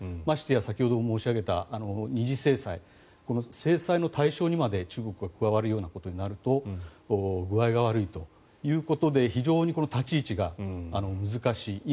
ましてや先ほど申し上げた二次制裁制裁の対象にまで中国が加わるようになると具合が悪いということで非常に立ち位置が難しい。